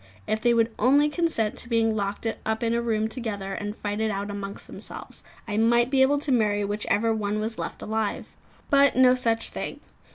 If they would only consent to be locked up in a room together and fight it out amongst themselves, I might be able to marry whichever one was left alive. But no such thing.